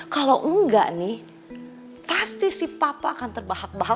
kalau enggak nih pasti si papa akan terbahak bahak